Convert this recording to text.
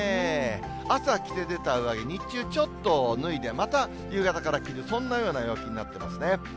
朝、着て出た上着、日中、ちょっと脱いで、また夕方から着る、そんなような陽気になってますね。